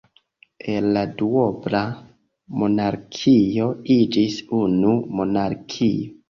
El la duobla monarkio iĝis unu monarkio.